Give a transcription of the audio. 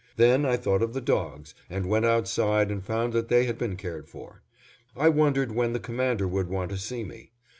Then I thought of the dogs and went outside and found that they had been cared for. I wondered when the Commander would want to see me.